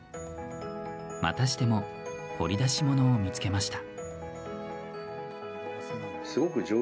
またしても掘り出し物を見つけました。